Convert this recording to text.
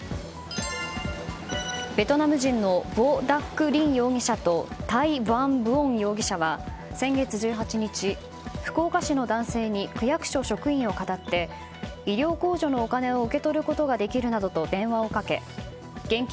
ベトナム人のブォ・ダック・リン容疑者とタイ・ブァン・ブオン容疑者は先月１８日福岡市の男性に区役所職員をかたって医療控除のお金を受け取ることができるなどと電話をかけ現金